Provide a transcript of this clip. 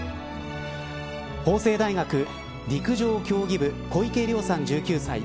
法政大学陸上競技部小池綾さん１９歳。